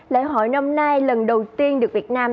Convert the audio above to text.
lễ hội năm nay lần đầu tiên được việt nam